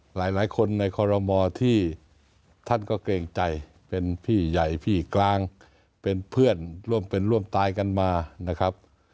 หลายคนในคอรมอที่ท่านก็เกรงใจเป็นพี่ใหญ่พี่กลางเป็นเพื่อนร่วมเป็นร่วมตายกันมานะครับ